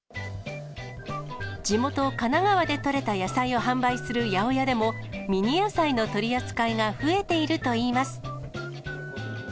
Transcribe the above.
地元、神奈川で取れた野菜を販売する八百屋でも、ミニ野菜の取り扱いが増えているといいます。